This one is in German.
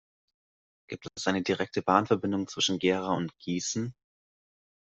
Gibt es eine direkte Bahnverbindung zwischen Gera und Gießen?